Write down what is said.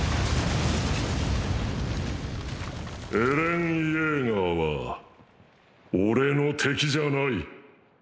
エレン・イェーガーは俺の敵じゃない。